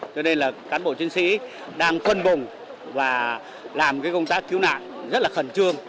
cho nên là cán bộ chuyên sĩ đang phân bùng và làm cái công tác cứu nạn rất là khẩn trương